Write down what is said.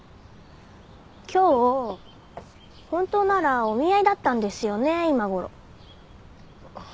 今日本当ならお見合いだったんですよね今ごろ。ああ。